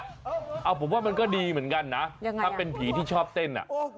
เอาผมว่ามันก็ดีเหมือนกันนะถ้าเป็นผีที่ชอบเต้น